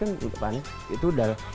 kalau pak anies kan itu dari